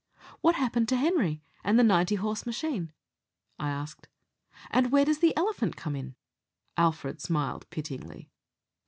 "What happened to Henry and the ninety horse machine?" I asked. "And where does the elephant come in?" Alfred smiled pityingly.